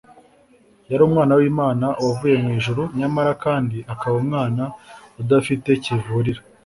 Yari Umwana w'Imana wavuye mu ijuru, nyamara kandi akaba umwana udafite kivurira.